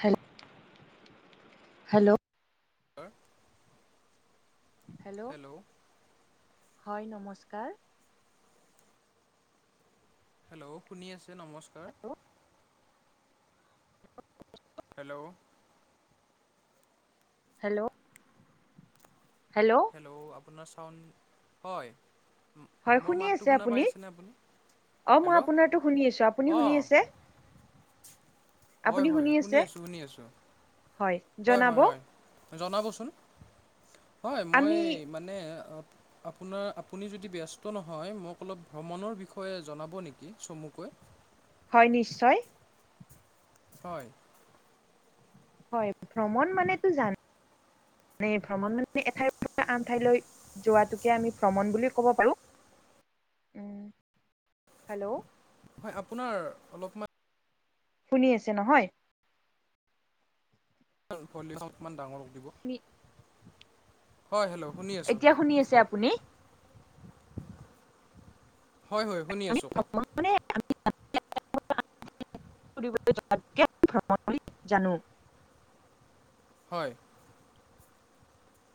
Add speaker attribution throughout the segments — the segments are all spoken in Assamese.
Speaker 1: হে, হেল্ল'।
Speaker 2: অৰ
Speaker 1: হেল্ল', হয় নমস্কাৰ।
Speaker 2: হেল্ল' শুনি আছে? নমস্কাৰ। হেল্ল'।
Speaker 1: হেল্ল'। হেল্ল'।
Speaker 2: হেল্ল' আপোনাৰ চাউণ্ড, হয়।
Speaker 1: হয়
Speaker 2: মোৰ
Speaker 1: শুনি
Speaker 2: মাতটো
Speaker 1: আছে
Speaker 2: শুনা
Speaker 1: আপুনি?
Speaker 2: পাই আছেনে আপুনি?
Speaker 1: অ মই
Speaker 2: হেল্ল'
Speaker 1: আপোনাৰতো শুনি আছো আপুনি শুনি
Speaker 2: অ'।
Speaker 1: আছে?
Speaker 2: হয়
Speaker 1: আপুনি
Speaker 2: হয় শুনি
Speaker 1: আছে?
Speaker 2: আছোঁ শুনি আছোঁ। হয় হয় হয়। জনাবচোন। হয় মই
Speaker 1: আমি
Speaker 2: মানে অ' আপোনাৰ আপুনি যদি ব্যস্ত নহয় মোক অলপ ভ্ৰমণৰ বিষয়ে জনাব নেকি চমুকৈ?
Speaker 1: হয় নিশ্চয়।
Speaker 2: হয়।
Speaker 1: হয় ভ্ৰমণ মানেতো জানেই মানে ভ্ৰমণ মানে এঠাইৰপৰা আনঠাইলৈ যোৱাতোকে আমি ভ্ৰমণ বুলি ক'ব পাৰোঁ। উম, হেল্ল'।
Speaker 2: হয় আপোনাৰ অলপমান
Speaker 1: শুনি আছে নহয়?
Speaker 2: ভলিঅম অকমান ডাঙৰক দিব হয় হেল্ল' শুনি আছোঁ
Speaker 1: এতিয়া
Speaker 2: হয়
Speaker 1: শুনি আছে
Speaker 2: কওক
Speaker 1: আপুনি?
Speaker 2: হয় হয় শুনি আছোঁ কওক
Speaker 1: ভ্ৰমণ মনে অমি এঠাইৰ পৰা আন ঠাইলৈ ফুৰিবলৈ যোৱাটোকে ভ্ৰমণ বুলি জানো
Speaker 2: হয়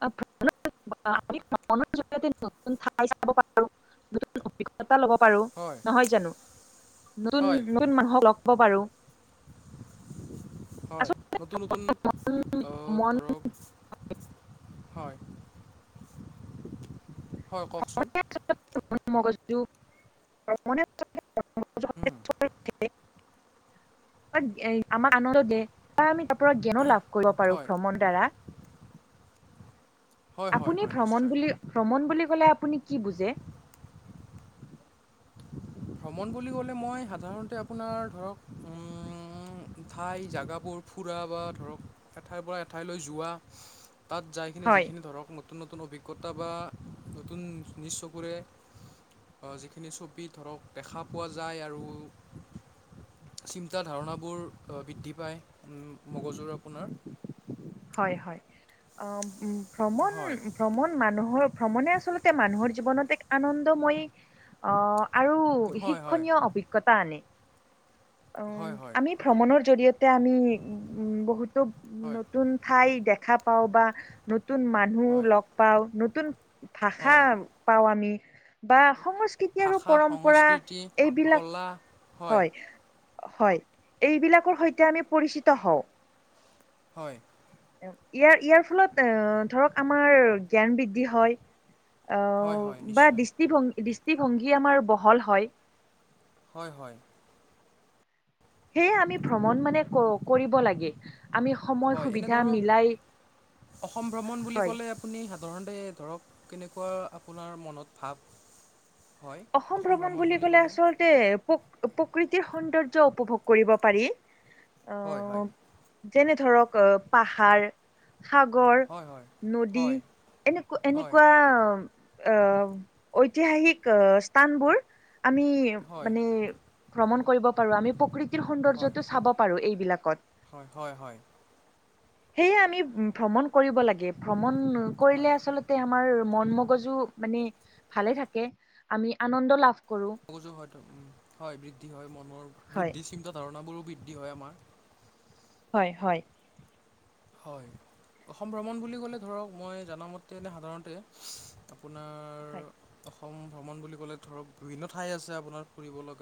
Speaker 1: আ ভ্ৰমণ মানে ভ্ৰমণৰ যোগেদি আমি নতুন ঠাই চাব পাৰ উ অভিজ্ঞতা লব পাৰো
Speaker 2: হয়
Speaker 1: নহয় জানো
Speaker 2: হয়
Speaker 1: নতুন-নতুন মানুহক লগ প পাৰো।
Speaker 2: হয়,
Speaker 1: আচলতে
Speaker 2: নতুন নতুন
Speaker 1: মনে
Speaker 2: ধৰক হয়, হয় কওকচোন।
Speaker 1: [inaudible]
Speaker 2: উম,
Speaker 1: আমাক আনন্দ দে বা আমি তাৰ পৰা জ্ঞানো লাভ কৰিব পাৰো
Speaker 2: হয়,
Speaker 1: ভ্ৰমণ দ্বাৰা।
Speaker 2: হয়, হয়,
Speaker 1: আপুনি
Speaker 2: হয়
Speaker 1: ভ্ৰমণ
Speaker 2: নিশ্চয়।
Speaker 1: বুলি ভ্ৰমণ বুলি কলে আপুনি কি বুজে।
Speaker 2: ভ্ৰমণ বুলি ক'লে মই সাধাৰণতে আপোনাৰ ধৰক ঠাই জোগাবোৰ ফুৰা বা ধৰক এঠাইৰ পৰা এঠাইলৈ যোৱা তাত যাইখিনি
Speaker 1: হয়
Speaker 2: যিখিনি ধৰক নতুন, নতুন অভিজ্ঞতা বা নতুন নিজ চকুৰে যিখিনি চব [unintelligible] ধৰক দেখা পোৱা যায় আৰু চিন্ত ধাৰণাবোৰ বৃদ্ধি পায়। মগজুৰ আপোনাৰ
Speaker 1: হয়, হয় ভ্ৰমণ
Speaker 2: হয়,
Speaker 1: ভ্ৰমণ মানুহৰ ভ্ৰমণে আচলতে মানুহৰ জীৱনত এক আনন্দময় আহ আৰু
Speaker 2: হয়, হয়,
Speaker 1: শিক্ষণীয় অভিজ্ঞতা আনে উ,
Speaker 2: হয়, হয়,
Speaker 1: আমি ভ্ৰমণৰ জৰিয়তে আমি উ বহুতো
Speaker 2: হয়,
Speaker 1: নতুন ঠাই দেখা পাওঁ, বা নতুন মানুহ
Speaker 2: হয়,
Speaker 1: লগ পাওঁ নতুন ভাষা
Speaker 2: হয়।
Speaker 1: পাওঁ। আমি বা সংস্কৃতি আৰু
Speaker 2: ভাষা
Speaker 1: পৰম্পৰা
Speaker 2: সংস্কৃতি
Speaker 1: এইবিলাক
Speaker 2: কলা
Speaker 1: হয়, হয় এইবিলাকৰ সৈতে আমি পৰিচিত হওঁ।
Speaker 2: হয়।
Speaker 1: ইয়াৰ ইয়াৰ ফলত আহ ধৰক আমাৰ জ্ঞান বৃদ্ধি হয়।
Speaker 2: হয় হয়
Speaker 1: বা
Speaker 2: নিশ্চয়
Speaker 1: দৃষ্টিভংগী দৃষ্টিভংগী আমাৰ বহল হয়।
Speaker 2: হয়, হয়,
Speaker 1: সেয়ে আমি ভ্ৰমণ মানে ক কৰিব লাগে। আমি সম
Speaker 2: হয়, এনে ধৰক অসম ভ্ৰমণ বুলি
Speaker 1: হয়
Speaker 2: ক'লে আপুনি সাধাৰণতে ধৰক কেনেকুৱা আপোনাৰ মনত ভাৱ হয়, অসম ভ্ৰমণ বুলি ক'লে
Speaker 1: প্ৰ প্ৰকৃতিৰ সৌন্দৰ্য উপভোগ কৰিব পাৰি।
Speaker 2: হয়,
Speaker 1: আহ
Speaker 2: হয়।
Speaker 1: যেনে ধৰক পাহাৰ সাগৰ
Speaker 2: হয় হয়
Speaker 1: নদী
Speaker 2: হয়
Speaker 1: এনেকা
Speaker 2: হয়
Speaker 1: এনেকুৱা আহ ঐতিহাসিক স্থানবোৰ আমি
Speaker 2: হয়
Speaker 1: মানে ভ্ৰমণ কৰিব পাৰো আমি প্ৰকৃতিৰ সৌন্দৰ্যতটো চাব পাৰো। এইবিলাকত
Speaker 2: হয়-হয়-হয়।
Speaker 1: সেয়ে আমি ভ্ৰমণ কৰিব লাগে। ভ্ৰমণ
Speaker 2: হয়
Speaker 1: কৰিলে আচলতে [unintelligible] আমাৰ মন মগজু মানে ভালে থাকে আমি আনন্দ লাভ কৰো।
Speaker 2: মগজু হয়, হয় বৃদ্ধি হয়। মনৰ
Speaker 1: হয়
Speaker 2: বুদ্ধি চিন্তাধাৰণাবোৰো বৃদ্ধি হয়। আমাৰ
Speaker 1: হয়, হয়।
Speaker 2: হয়। অসম ভ্ৰমণ বুলি ক'লে ধৰক মই জামতেনে সাধাৰণতে আপোনাৰ
Speaker 1: হয়।
Speaker 2: অসম ভ্ৰমণ বুলি ক'লে ধৰক বিভিন্ন ঠাই আছে আপোনাৰ ফুৰিবলা।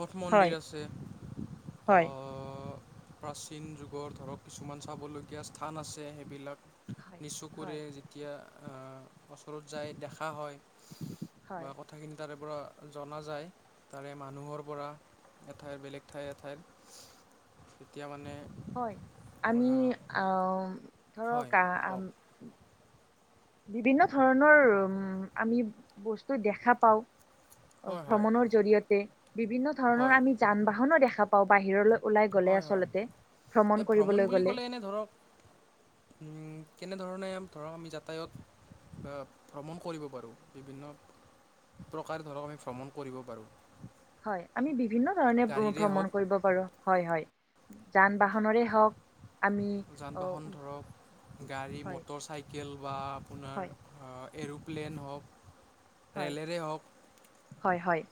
Speaker 2: মঠ
Speaker 1: হয়
Speaker 2: মন্দিৰ আছে।
Speaker 1: হয়।
Speaker 2: অ' প্ৰাচীন যুগৰ ধৰক কিছুমান চাবলগীয়া স্থান আছে। সেইবিলাক
Speaker 1: হয় হয়
Speaker 2: নিজচকুৰে তিয়া ওচৰত যায় দেখা হয়,
Speaker 1: হয়
Speaker 2: বা কথাখিনি তাৰে পৰা জনা যায় তাৰে মানুহৰ পৰা এঠাইৰ বেলেগ ঠাইৰ এঠাইৰ তেতিয়া মানে
Speaker 1: হয়। আমি
Speaker 2: হয়
Speaker 1: ধৰক
Speaker 2: কওক
Speaker 1: বিভিন্ন ধৰণৰ উম আমি বস্তু দেখা পাওঁ।
Speaker 2: হয় হয়
Speaker 1: ভ্ৰমণৰ জৰিয়তে বিভিন্ন ধৰণৰ
Speaker 2: হয়
Speaker 1: আমি যান বাহনো দেখা পাওঁ বাহিৰলৈ ওলাই গ'লে
Speaker 2: হয় হয়
Speaker 1: আচলতে
Speaker 2: এই ভ্ৰমণ
Speaker 1: কৰিবলৈ
Speaker 2: বুলি
Speaker 1: গ'লে
Speaker 2: ক'লে এনে ধৰক কেনেধৰণে ধৰক আমি যাতায়ত ভ্ৰমণ কৰিব পাৰোঁ বিভিন্ন প্ৰকাৰে ধৰক আমি ভ্ৰমণ কৰিব পাৰোঁ।
Speaker 1: হয় আমি বিভিন্ন ধৰণে
Speaker 2: গাড়ীৰে
Speaker 1: ভ্ৰমণ
Speaker 2: হওক
Speaker 1: কৰিব পাৰো। হয় হয় যান বাহনৰৰে ৰে হওঁক
Speaker 2: যান বাহন ধৰক গাড়ী
Speaker 1: হয়
Speaker 2: মটৰ চাইকেল বা আপোনাৰ
Speaker 1: হয়
Speaker 2: এৰোপ্লেন হওঁক
Speaker 1: হয়
Speaker 2: ৰেলেৰে হওঁক
Speaker 1: হয় হয়।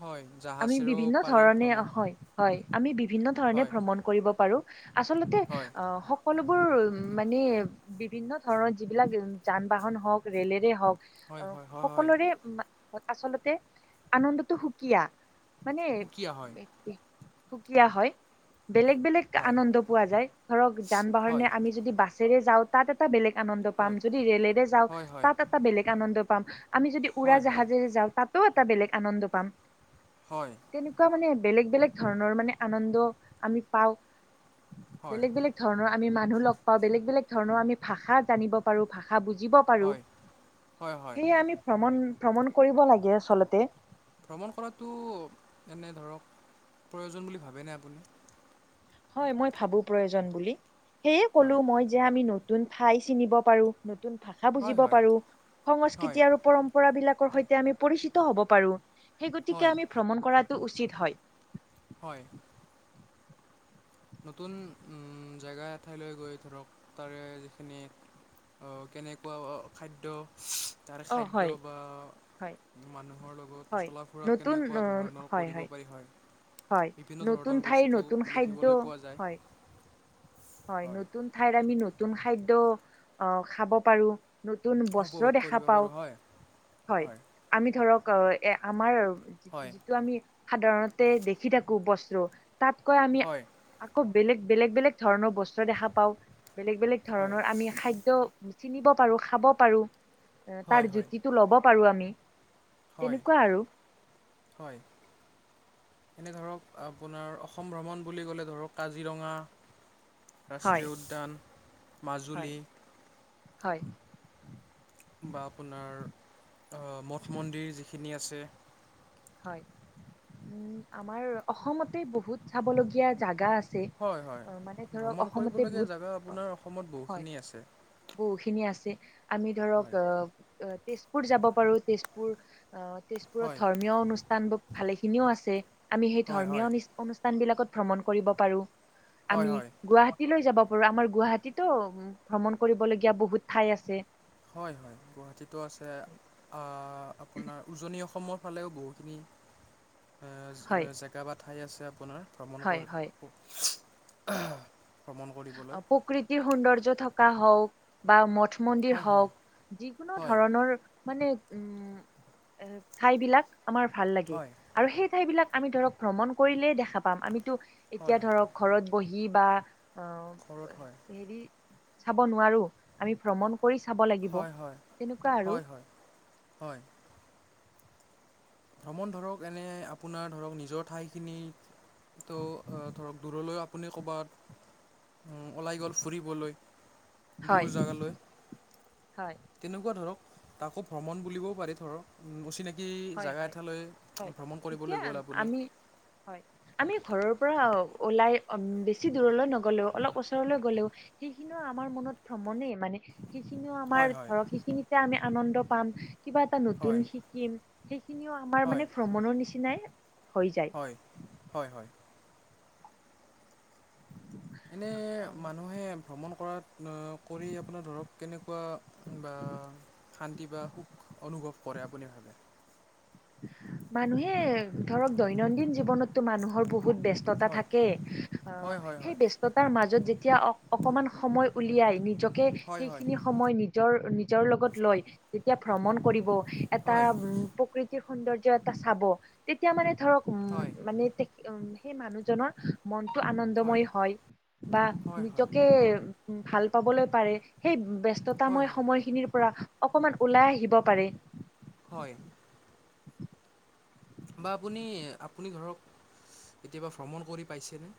Speaker 2: হয়। যা
Speaker 1: আমি বিভিন্ন ধৰণে হয় হয় আমি বিভিন্ন ধৰণে
Speaker 2: হয়
Speaker 1: ভ্ৰমণ কৰিব পাৰো। আচলতে
Speaker 2: হয়
Speaker 1: আহ সকলোবোৰ মানে বিভিন্ন ধৰণৰ যিবিলাক যান বাহন হওঁক ৰেলেৰে হওঁক অ'
Speaker 2: হয় হয় হয় হয়
Speaker 1: সকলোৰে আচলতে আনন্দটো সুকীয়া। মানে
Speaker 2: সুকীয়া হয়
Speaker 1: সুকীয়া হয়। বেলেগ বেলেগ
Speaker 2: হয়
Speaker 1: আনন্দ পোৱা যায়, ধৰক যান বাহনে
Speaker 2: হয়
Speaker 1: আমি যদি বাছেৰে যাওঁত তাত এটা বেলেগ আনন্দ পাম।
Speaker 2: হয়
Speaker 1: যদি ৰেলেৰে যাওঁ
Speaker 2: হয় হয়
Speaker 1: তাত এটা বেলেগ আনন্দ পাম। আমি যদি উৰা
Speaker 2: হয় হয়
Speaker 1: জাহাজেৰে যাওঁ তাতো এটা বেলেগ আনন্দ পাম।
Speaker 2: হয়।
Speaker 1: তেনেকুৱা মানে বেলেগ বেলেগ ধৰণৰ মানে আনন্দ আমি পাওঁ,
Speaker 2: হয়
Speaker 1: বেলেগ বেলেগ ধৰণৰ আমি মানুহ লগ পাওঁ, বেলেগ বেলেগ ধৰণৰ আমি ভাষা জানিব পাৰো, ভাষা বুজিব পাৰো।
Speaker 2: হয় হয় হয়
Speaker 1: সেয়ে আমি ভ্ৰমণ ভ্ৰমণ কৰিব লাগে। আচলতে
Speaker 2: ভ্ৰমণ কৰাতো এনে ধৰক প্ৰয়োজন বুলি ভাবেনে আপুনি?
Speaker 1: হয় মই ভাবো প্ৰয়োজন বুলি। সেয়ে
Speaker 2: হয়
Speaker 1: ক'লো মই যে আমি নতুন ঠাই চিনিব পাৰো নতুন ভাষা
Speaker 2: হয়
Speaker 1: বুজিব
Speaker 2: হয়
Speaker 1: পাৰো,
Speaker 2: হয়
Speaker 1: সংস্কৃতি আৰু পৰম্প পৰা বিলাকৰ সৈতে আমি পৰিচিত হ'ব পাৰো, সেই গতিকে
Speaker 2: হয়
Speaker 1: আমি ভ্ৰমণ কৰাটো উচিত হয়।
Speaker 2: হয়। নতুন জেগা এঠাইলৈ গৈ ধৰক তাৰে যিখিনি কেনেকুৱা খাদ্য তাৰ
Speaker 1: অ
Speaker 2: খাদ্য
Speaker 1: হয়
Speaker 2: বা
Speaker 1: হয়
Speaker 2: মানুহৰ লগত
Speaker 1: হয়
Speaker 2: চলা ফুৰা
Speaker 1: নতুন
Speaker 2: কেনেকুৱা
Speaker 1: অ
Speaker 2: ধৰণৰ
Speaker 1: হয়
Speaker 2: কৰিব পাৰি, হয়।
Speaker 1: হয়
Speaker 2: বিভিন্ন
Speaker 1: নতুন
Speaker 2: ধৰণৰ
Speaker 1: ঠাইৰ
Speaker 2: বস্তু
Speaker 1: নতুন খাদ্য,
Speaker 2: দেখিবলৈ পোৱা যায়
Speaker 1: হয় হয় নতুন ঠাইত আমি নতুন খাদ্য আহ খাব পাৰো। নতুন বস্ত্ৰ
Speaker 2: উপভোগ
Speaker 1: দেখা
Speaker 2: কৰিব
Speaker 1: পাওঁ,
Speaker 2: পাৰোঁ হয়
Speaker 1: হয়। আমি ধৰক এ আমাৰ
Speaker 2: হয়
Speaker 1: যিটো আমি সাধাৰণত তে দেখি থাকো বস্ত্ৰ, তাতকৈ আমি
Speaker 2: হয়
Speaker 1: আকৌ বেলেগ বেলেগ বেলেগ ধৰণৰ বস্ত্ৰ দেখা পাওঁ বেলেগ বেলেগ
Speaker 2: হয়
Speaker 1: ধৰণৰ আমি খাদ্য চিনিব পাৰো খাব পাৰো
Speaker 2: হয়
Speaker 1: তাৰ
Speaker 2: হয়
Speaker 1: জুতিটো ল'ব পাৰো আমি
Speaker 2: হয়
Speaker 1: তেনেকুৱা আৰু
Speaker 2: হয়। এনে ধৰক আপোনাৰ অসম ভ্ৰমণ বুলি ক'লে ধৰক কাজিৰঙা
Speaker 1: হয়
Speaker 2: ৰাষ্ট্ৰীয় উদ্যান,
Speaker 1: হয়
Speaker 2: মাজুলী।
Speaker 1: হয়।
Speaker 2: বা আপোনাৰ অ', মঠ মন্দিৰ যিখিনি আছে।
Speaker 1: হয়, উম, আমাৰ অসমতে বহুত চাবলগীয়া জাগা আছে
Speaker 2: হয়, হয়,
Speaker 1: অ, মানে ধৰক
Speaker 2: ভ্ৰমণ
Speaker 1: অসমতে
Speaker 2: কৰিবলগীয়া
Speaker 1: বহুত
Speaker 2: জেগা আপোনাৰ অসমত
Speaker 1: হয়
Speaker 2: বহুখিনি আছে।
Speaker 1: বহুখিনি আছে, আমি ধৰক
Speaker 2: হয়।
Speaker 1: অহ' তেজপুৰ যাব পাৰোঁ, তেজপুৰ অহ, তেজপুৰ
Speaker 2: হয়।
Speaker 1: অনুষ্ঠান ভালেখিনিও আছে আমি সেই
Speaker 2: হয়
Speaker 1: ধৰ্মীয়
Speaker 2: হয়
Speaker 1: অনু-অনুষ্ঠান বিলাকত ভ্ৰমণ কৰিব পাৰোঁ।
Speaker 2: হয়
Speaker 1: আমি
Speaker 2: হয়
Speaker 1: গুৱাহাটী লৈ যাব পাৰোঁ আমাৰ গুৱাহাটীতো ভ্ৰমণ কৰিবলগীয়া বহুত ঠাই আছে।
Speaker 2: হয়, হয়, আ গুৱাহাটীটো আছে আপোনাৰ উজনি অসমৰ ফালেও বহুখিনি,
Speaker 1: হয়
Speaker 2: জেগা বা ঠাই আছে আপোনাৰ ভ্ৰমণ
Speaker 1: হয়
Speaker 2: কৰ
Speaker 1: হয়
Speaker 2: [unintelligible] ভ্ৰমণ
Speaker 1: অ,
Speaker 2: কৰিবলৈ।
Speaker 1: প্ৰকৃতিৰ সৌন্দৰ্য থকা হওঁক বা মঠ মন্দিৰ
Speaker 2: হয় হয়
Speaker 1: হওঁক যিকোনো
Speaker 2: হয়
Speaker 1: ধৰণৰ মানে উম, এ, ঠাইবিলাক আমাৰ ভাল লাগে।
Speaker 2: হয়
Speaker 1: আৰু সেই ঠাইবিলাক আমি ধৰক ভ্ৰমণ কৰিলেই দেখা পাম, আমিতো এতিয়া
Speaker 2: হয় হয়
Speaker 1: ধৰক ঘৰত বহি বা অ',
Speaker 2: ঘৰত হয়
Speaker 1: [unintelligible] চাব নোৱাৰো আমি ভ্ৰমণ কৰি চাব লাগিব,
Speaker 2: হয় হয়
Speaker 1: তেনেকুৱা আৰু।
Speaker 2: হয় হয় হয়। ভ্ৰমণ ধৰক এনে আপোনাৰ ধৰক নিজৰ ঠাইখিনিতো ধৰক দূৰলৈ আপুনি ক'ৰবাত ওলাই গ'ল ফুৰিবলৈ দূৰ
Speaker 1: হয়
Speaker 2: জেগালৈ,
Speaker 1: হয়
Speaker 2: তেনেকুৱা ধৰক তাকো ভ্ৰমণ বুলিবও পাৰি ধৰক। অচিনাকি
Speaker 1: হয়
Speaker 2: জেগা
Speaker 1: হয়
Speaker 2: এঠাইলৈ
Speaker 1: হয়
Speaker 2: ভ্ৰমণ
Speaker 1: তেতিয়া
Speaker 2: কৰিবলৈ গ'ল আপুনি।
Speaker 1: আমি হয়, আমি ঘৰৰ পৰা ওলাই বেছি দূৰলৈ নগ'লেও অলপ ওচৰলৈ গ'লেও সেইখিনিও আমাৰ মনত ভ্ৰমণেই মানে সেইখিনিও
Speaker 2: হয়
Speaker 1: আমাৰ
Speaker 2: হয়
Speaker 1: ধৰক সেইখিনিতে আমি আনন্দ পাম কিবা এটা
Speaker 2: হয়
Speaker 1: নতুন শিকিম। সেইখিনিও আমাৰ
Speaker 2: হয়
Speaker 1: মানে ভ্ৰমণৰ নিচিনাই হৈ যায়।
Speaker 2: হয়, হয়, হয়। এনে
Speaker 1: অ
Speaker 2: মানুহে ভ্ৰমণ কৰাত কৰি আপোনাৰ ধৰক কেনেকুৱা বা শান্তি বা সুখ অনুভৱ কৰে আপুনি ভাবে?
Speaker 1: মানুহে ধৰক দৈনন্দিন জীৱনত টো মানুহৰ বহুত ব্যস্ততা
Speaker 2: হয়
Speaker 1: থাকে, অ',
Speaker 2: হয় হয়
Speaker 1: সেই
Speaker 2: হয়
Speaker 1: ব্য স্ততাৰ মাজত যেতিয়া অক- অকমান সময় উলিয়াই নিজকে
Speaker 2: হয় হয়
Speaker 1: সেইখিনি সময় নিজৰ, নিজৰ লগত লয় যেতিয়া ভ্ৰমণ কৰিব এটা
Speaker 2: হয়
Speaker 1: উম, প্ৰকৃতি সৌন্দৰ্য এটা চাব তেতিয়া মানে ধৰক
Speaker 2: হয়
Speaker 1: উম,
Speaker 2: হয়
Speaker 1: মানে উম, সেই মানুহজনৰ মনটো আনন্দময় হয়, বা
Speaker 2: হয়
Speaker 1: নিজকে ভাল পাবলৈ পাৰে সেই
Speaker 2: হয় হয়
Speaker 1: ব্যস্ততাময় সময়খিনিৰ পৰা অকমান ওলাই আহিব পাৰে।
Speaker 2: হয়। বা আপুনি, আপুনি ধৰক কেতিয়াবা ভ্ৰমণ কৰি পাইছেনে?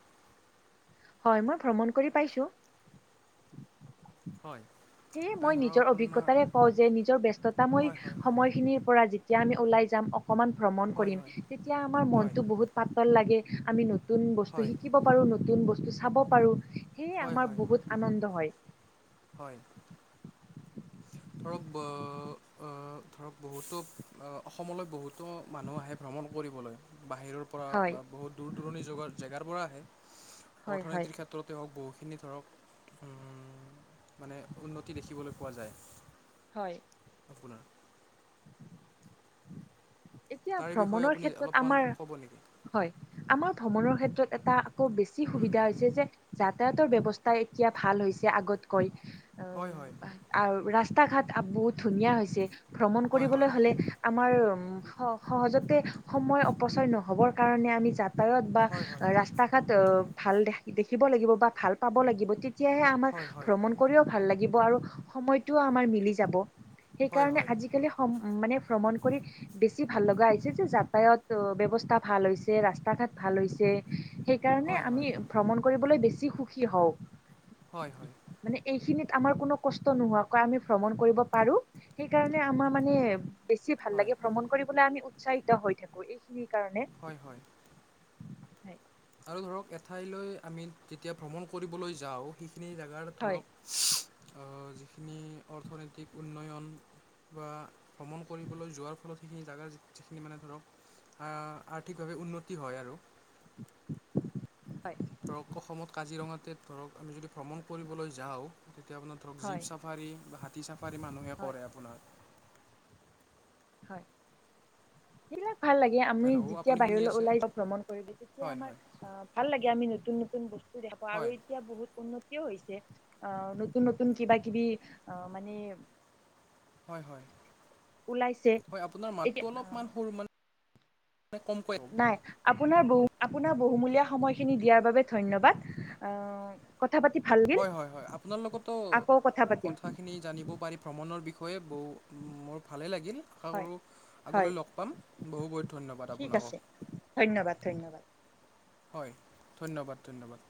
Speaker 1: হয়, মই ভ্ৰমণ কৰি পাইছোঁ।
Speaker 2: হয়।
Speaker 1: সেয়ে
Speaker 2: এনে
Speaker 1: মই
Speaker 2: ধৰক
Speaker 1: নিজৰ
Speaker 2: আপোনাৰ
Speaker 1: অভিজ্ঞতাৰে কওঁ যে নিজৰ ব্যস্ততাময়
Speaker 2: হয় হয় হয়
Speaker 1: সময়খিনিৰ পৰা যে যেতিয়া আমি ওলাই যাম অকণমান ভ্ৰমণ
Speaker 2: হয়
Speaker 1: কৰিম,
Speaker 2: হয়
Speaker 1: তেতিয়া আমাৰ
Speaker 2: হয়
Speaker 1: মনটো বহুত পাতল লাগে আমি ন নতুন বস্তু
Speaker 2: হয়
Speaker 1: শিকিব পাৰোঁ, নতুন বস্তু চাব পাৰোঁ সেয়ে
Speaker 2: হয়
Speaker 1: আমাৰ
Speaker 2: হয়
Speaker 1: বহুত আনন্দ হয়।
Speaker 2: হয়। ধৰক অ', অ', ধৰক বহুতো অসমলৈ বহুতো মানুহ আহে ভ্ৰমণ কৰিবলৈ, বাহিৰৰ পৰা
Speaker 1: হয়
Speaker 2: বা বহুত দূৰ দূৰণিগা জেগাৰ পৰা আহে
Speaker 1: হয় হয়
Speaker 2: অৰ্থনীতিৰ ক্ষেত্ৰত তেওঁক বহুখিনি ধৰক মানে উন্নতি দেখিবলৈ পোৱা যায়।
Speaker 1: হয়,
Speaker 2: আপোনাৰ।
Speaker 1: এতিয়া
Speaker 2: তাৰে বিষয়ে
Speaker 1: ভ্ৰমণৰ
Speaker 2: আপুনি
Speaker 1: ক্ষেত্ৰত
Speaker 2: অলপমান
Speaker 1: আমাৰ,
Speaker 2: ক'ব নেকি
Speaker 1: হয়, আমাৰ ভ্ৰমণৰ ক্ষেত্ৰত এটা আকৌ বেছি
Speaker 2: উম,
Speaker 1: সুবিধা হৈছে যে যাতায়াতৰ ব্যৱস্থা এতিয়া ভাল হৈছে আগতকৈ, উম,
Speaker 2: হয়, হয়,
Speaker 1: আৰু ৰাস্তা ঘাট বহুত ধুনীয়া হৈছে ভ্ৰমণ
Speaker 2: হয়
Speaker 1: কৰিবলৈ
Speaker 2: হয়
Speaker 1: হ'লে আমাৰ উ, স-সহজতে সময় অপচয় নহ'বৰ কাৰণে আমি যাতায়ত বা
Speaker 2: হয় হয়
Speaker 1: ৰাস্তা তাত ভাল দে-দেখিব লাগিব বা ভাল পাব লাগিব তেতিয়াহে আমাৰ
Speaker 2: হয় হয় হয়
Speaker 1: ভ্ৰমণ কৰিও ভাল লাগিব আৰু সময়টোও আমাৰ মিলি যাব
Speaker 2: হয় হয়
Speaker 1: সেইকাৰণে
Speaker 2: হয়
Speaker 1: আজি [inaudible] মানে ভ্ৰমণ কৰি বেছি ভাল লগা হৈছে যে যাতায়ত ব্যৱস্থা ভাল হৈছে ৰাস্তা ঘাট ভাল হৈছে, সেইকাৰণে
Speaker 2: হয় হয়
Speaker 1: আমি
Speaker 2: হয়
Speaker 1: ভ্ৰমণ কৰিবলৈ বেছি সুখী হওঁ।
Speaker 2: হয়, হয়।
Speaker 1: মানে এইখিনিত আমাৰ কোনো কষ্ট নোহোৱাকৈ আমি ভ্ৰমণ কৰিব পাৰো, সেইকাৰণে আমাৰ মানে বেছি ভাল
Speaker 2: হয়
Speaker 1: লাগে ভ্ৰমণ কৰিবলৈ আমি উৎসাহিত হৈ থাকো এইখিনিৰ কাৰণে।
Speaker 2: হয়, হয়,
Speaker 1: হয়
Speaker 2: আৰু ধৰক এঠাইলৈ আমি যেতিয়া ভ্ৰমণ কৰিবলৈ যাওঁ সেইখিনি জেগাৰ
Speaker 1: হয়
Speaker 2: ধৰক যিখিনি অৰ্থনৈতিক উন্নয়ন বা ভ্ৰমণ কৰিবলৈ যোৱাৰ ফলত সিখিনি জেগা যিখিনি মানে ধৰক আ-আৰ্থিকভাৱে উন্নতি হয় আৰু।
Speaker 1: হয়,
Speaker 2: ধৰক অসমত কাজিৰঙাতে ধৰক আমি যদি ভ্ৰমণ কৰিবলৈ যাওঁ তেতিয়া আপোনাৰ ধৰক
Speaker 1: হয়
Speaker 2: জীপ চাপ চাফাৰী বা হাতী চাফাৰী মানুহে
Speaker 1: হয়
Speaker 2: কৰে আপোনাৰ।
Speaker 1: হয়, সিবিলাক ভাল লাগে, আমি
Speaker 2: হেল্ল'
Speaker 1: যেতিয়া
Speaker 2: আপুনি শুনি
Speaker 1: বাহিৰলৈ
Speaker 2: আছে
Speaker 1: ওলাই যাও ভ্ৰমণ কৰিবি তেতিয়া
Speaker 2: হয়
Speaker 1: আমাৰ
Speaker 2: হয়
Speaker 1: অ, ভাল লাগে আমি নতুন নতুন বস্তু দেখাওঁ
Speaker 2: হয়
Speaker 1: আৰু এতিয়া বহুত উন্নত হৈছে আহ নতুন নতুন কিবা কিবি আহ মানে
Speaker 2: হয়-হয়,
Speaker 1: ওলাইছে
Speaker 2: হয়, আপোনাৰ
Speaker 1: এতিয়া
Speaker 2: মাতটো অলপমান সৰু মানে [inaudible]
Speaker 1: [inaudible] আপোনাৰ, আপোনাৰ বহুমূলিয়া সময়খিনি দিয়াৰ বাবে ধন্যবাদ অ, কথা পাতি ভাল লাগিল
Speaker 2: হয়, হয় ল, হয়, আপোনালোকতো
Speaker 1: আকৌ কথা পাতিম
Speaker 2: কথাখিনি জানিব পাৰি ভ্ৰমণৰ বিষয়ে ব মোৰ ভালেই লাগিল। আশা
Speaker 1: হয়
Speaker 2: কৰোঁ
Speaker 1: হয়
Speaker 2: আগলৈ লগ পাম বহু বহুত ধন্যবাদ
Speaker 1: ঠিক
Speaker 2: আপোনাকো।
Speaker 1: আছে ধন্যবাদ ধন্যবাদ
Speaker 2: হয়, ধন্যবাদ ধন্যবাদ।